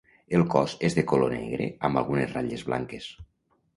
El cos és de color negre amb algunes ratlles blanques.